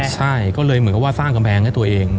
ใช่ก็เลยเหมือนกับว่าสร้างกำแพงให้ตัวเอง